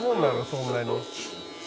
そんなに」